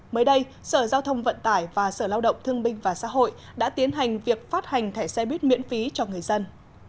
mới đây sở giao thông vận tải và sở lao động thương binh và xã hội đã tiến hành việc phát hành thẻ xe buýt miễn phí cho người dân